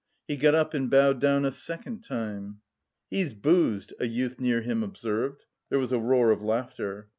He got up and bowed down a second time. "He's boozed," a youth near him observed. There was a roar of laughter.